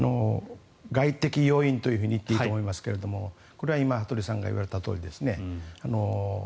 外的要因と言っていいと思いますがこれは今、羽鳥さんが言われたとおりですね。